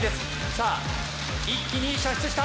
さあ一気に射出した！